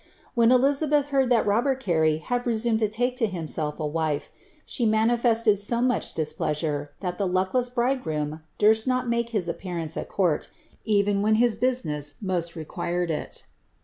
When Elizabeth heard that Robert Carey had presumed to take lo himself a wife, she manifested so niufh displeasure, that the luckless bridegroom durst noi make his appearance at court, even when his business most required it.